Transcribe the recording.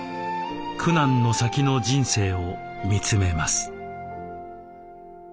苦難の先の人生を見つめます。